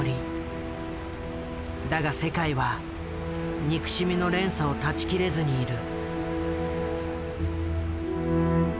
だが世界は憎しみの連鎖を断ち切れずにいる。